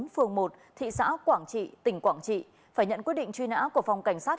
phường một thị xã quảng trị tỉnh quảng trị phải nhận quyết định truy nã của phòng cảnh sát